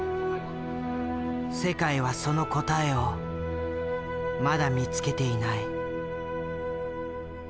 世界はその答えをまだ見つけていない。